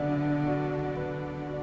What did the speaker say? aku akan hotelnya